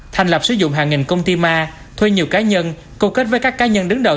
thành lập sử dụng hàng nghìn công ty ma thuê nhiều cá nhân cầu kết với các cá nhân đứng đầu